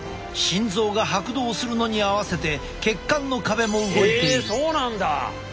心臓が拍動するのに合わせて血管の壁も動いている。